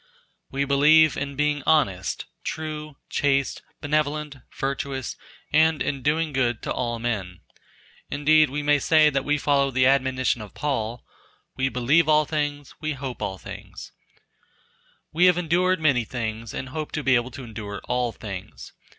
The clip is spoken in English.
We believe in being honest, true, chaste, benevolent, virtuous, and in doing good to all men; indeed we may say that we follow the admonition of Paul "we believe all things we hope all things," we have endured many things and hope to be able to endure all things.